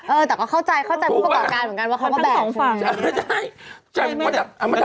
เออแต่เข้าใจผู้ประกอบการณ์เหมือนกันว่าเขาก็แบบ